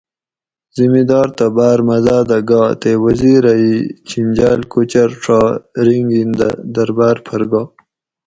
زمیدار تہ باۤر مزاۤ دہ گا تے وزیر اۤ ای چھینجاۤل کوچر ڛا رینگین دہ درباۤر پھر گا